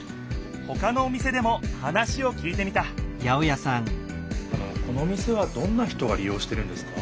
ほかのお店でも話をきいてみたあのこのお店はどんな人がり用してるんですか？